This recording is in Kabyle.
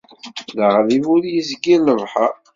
D aɣrib ur yezgir lebḥer.